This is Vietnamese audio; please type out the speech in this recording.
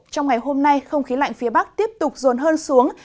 trong ngày hôm nay không khí lạnh phía bắc tiếp tục rồn hơn xuống